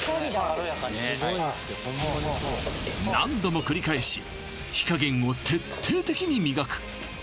軽やかにはい何度も繰り返し火加減を徹底的に磨く